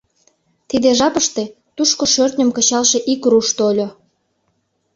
Тиде жапыште тушко шӧртньым кычалше ик руш тольо.